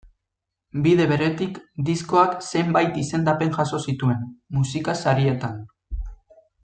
Bide beretik, diskoak zenbait izendapen jaso zituen, musika sarietan.